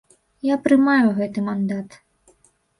Я прымаю гэты мандат.